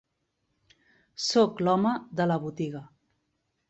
Soc l'home de la botiga.